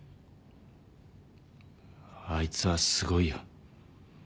あいつはすごいよ。